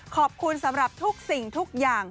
ขอบคุณสำหรับทุกสิ่งทุกอย่าง